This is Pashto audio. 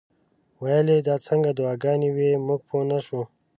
ویل یې دا څنګه دعاګانې وې موږ پوه نه شو.